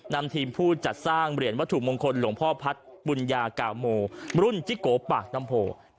นำทีมผู้จัดสร้างเหรียญวัตถุมงคลหลวงพ่อพัฒน์บุญญากาโมรุ่นจิโกปากน้ำโพ